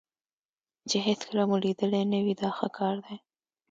چې هېڅکله مو لیدلی نه وي دا ښه کار دی.